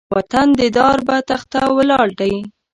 وطن د دار بۀ تخته ولاړ دی